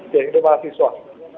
terima kasih soh